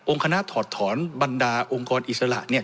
องค์คณะถอดถอนบรรดาองค์กรอิสระเนี่ย